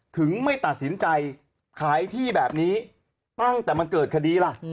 ไม่ตัดสินใจขายที่แบบนี้ตั้งแต่มันเกิดคดีล่ะ